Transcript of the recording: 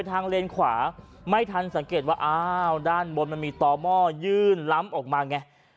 เลนขวาไม่ทันสังเกตว่าอ้าวด้านบนมันมีต่อหม้อยื่นล้ำออกมาไง